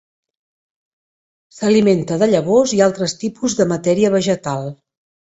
S'alimenta de llavors i altres tipus de matèria vegetal.